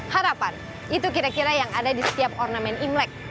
harapan itu kira kira yang ada di setiap ornamen imlek